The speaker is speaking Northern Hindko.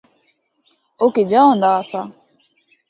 او کِجّا ہوندا آسا۔